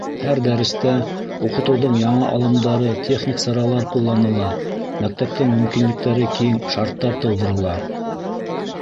Һәр дәрестә уҡытыуҙың яңы алымдары, техник саралар ҡулланыла: мәктәптең мөмкинлектәре киң, шарттар тыуҙырыла.